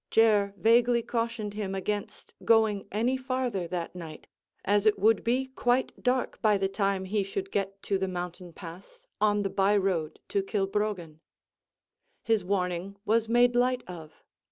Jer vaguely cautioned him against going any farther that night, as it would be quite dark by the time he should get to the mountain pass, on the by road to Kilbroggan. His warning was made light of.